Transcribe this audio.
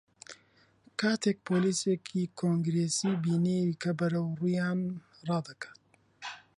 کاتێک پۆلیسێکی کۆنگرێسی بینی کە بەرەو ڕوویان ڕادەکات